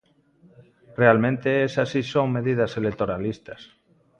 Realmente esas si son medidas electoralistas.